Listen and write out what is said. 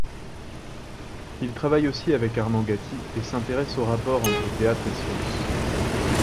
Il travaille aussi avec Armand Gatti et s’intéresse aux rapports entre théâtre et science.